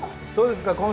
どうですか？